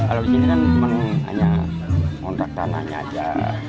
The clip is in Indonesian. kalau di sini kan hanya kontrak tanahnya aja